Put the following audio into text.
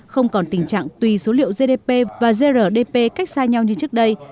không còn tình trạng tùy số liệu gdp và grdp cách xa nhau như trước đây